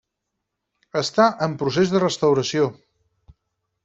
Està en procés de restauració.